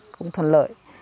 cũng thuận lợi